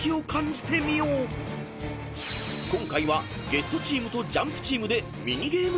［今回はゲストチームとＪＵＭＰチームでミニゲーム対決］